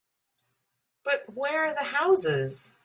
But where are the houses?